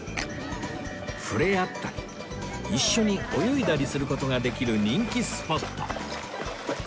触れ合ったり一緒に泳いだりする事ができる人気スポット